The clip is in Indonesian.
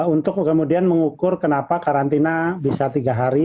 untuk kemudian mengukur kenapa karantina bisa tiga hari